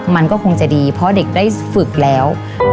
มันก็คงจะดีเพราะเด็กได้ฝึกแล้ว